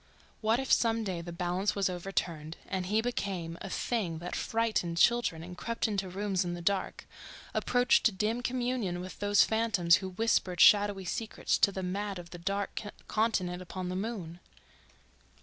What if some day the balance was overturned, and he became a thing that frightened children and crept into rooms in the dark, approached dim communion with those phantoms who whispered shadowy secrets to the mad of that dark continent upon the moon....